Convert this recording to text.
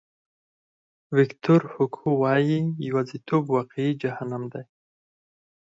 ویکتور هوګو وایي یوازیتوب واقعي جهنم دی.